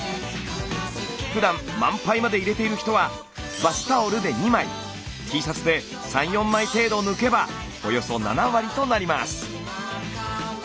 ふだん満杯まで入れている人はバスタオルで２枚Ｔシャツで３４枚程度抜けばおよそ７割となります。